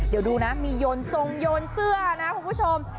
เดี๋ยวดูนะมีโยนทรงโยนเสื้อนะคุณผู้ชม